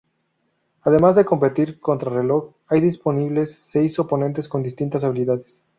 Además de competir contrarreloj, hay disponibles seis oponentes con distintas habilidades.